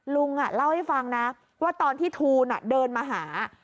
ลุงเล่าให้ฟังนะว่าตอนที่ทูลเดินมาหา